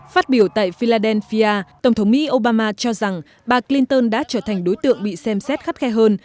phát biểu tại philadelphia tổng thống mỹ obama cho rằng bà clinton đã trở thành đối tượng bị xem xét khắt khe hơn